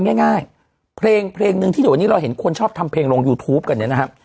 ง่ายเพลงเพลงหนึ่งที่เดี๋ยววันนี้เราเห็นคนชอบทำเพลงลงยูทูปกันเนี่ยนะครับ